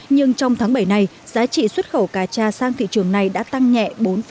nhưng trong tháng bảy này giá trị xuất khẩu cà cha sang thị trường này đã tăng nhẹ bốn